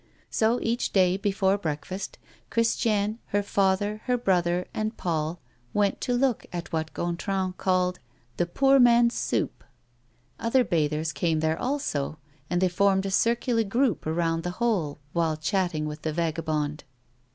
So each day, before breakfast, Christiane, her father, her brother, and Paul, went to look at what Gontran called "the poor man's soup." Other bathers came there also, and they formed a circular group around the hole, while chatting with the vagabond.